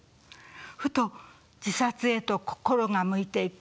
ふと自殺へと心が向いていく。